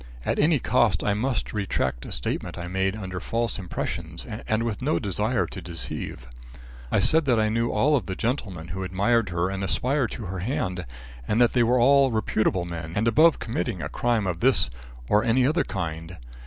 At any cost I must retract a statement I made under false impressions and with no desire to deceive. I said that I knew all of the gentlemen who admired her and aspired to her hand, and that they were all reputable men and above committing a crime of this or any other kind.